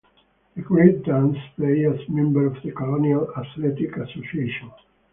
The Great Danes play as members of the Colonial Athletic Association.